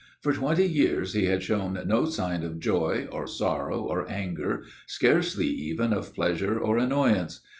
For twenty years he had shown no sign of joy or sorrow or anger, scarcely even of pleasure or annoyance.